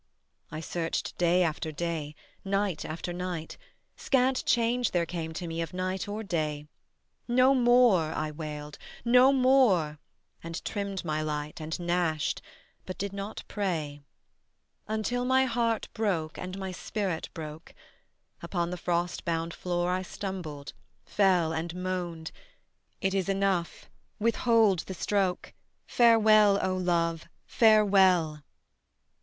I searched day after day, night after night; Scant change there came to me of night or day: "No more," I wailed, "no more"; and trimmed my light, And gnashed, but did not pray, Until my heart broke and my spirit broke: Upon the frost bound floor I stumbled, fell, And moaned: "It is enough: withhold the stroke. Farewell, O love, farewell."